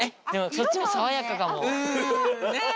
そっちも爽やかかも。ねぇ。